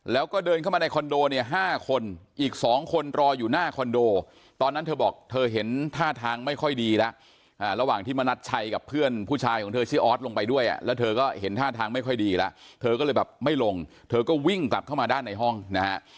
แล้วก็เดินเข้ามาในคอนโดเนี่ย๕คนอีก๒คนรออยู่หน้าคอนโดตอนนั้นเธอบอกเธอเห็นท่าทางไม่ค่อยดีแล้วระหว่างที่มณัชชัยกับเพื่อนผู้ชายของเธอชื่อออสลงไปด้วยแล้วเธอก็เห็นท่าทางไม่ค่อยดีแล้วเธอก็เลยแบบไม่ลงเธอก็วิ่งกลับเข้ามาด้านในห้องนะฮะ